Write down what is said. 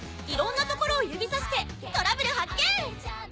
いろんなところを指さしてトラブル発見！